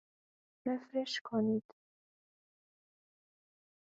رفرش کنید